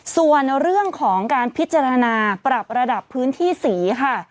ส่วนเรื่องของการพิจารณาปรับระดับพื้นที่สีค่ะ